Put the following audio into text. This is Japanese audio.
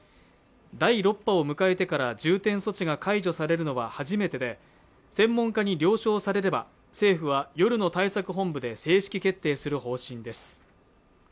第６波を迎えてから重点措置が解除されるのは初めてで専門家に了承されれば政府は夜の対策本部で正式決定する方針です